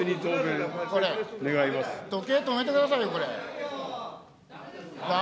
時計止めてください、これ。